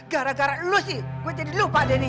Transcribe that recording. gara gara lo sih gue jadi lo pak denny